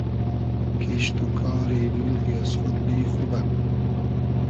کیشت و کاری مولگی از خۉدگی خوبۂ